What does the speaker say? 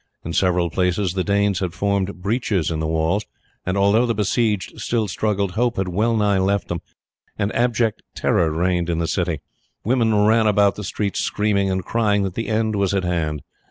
In several places the Danes had formed breaches in the walls, and although the besieged still struggled, hope had well nigh left them, and abject terror reigned in the city. Women ran about the streets screaming, and crying that the end was at hand.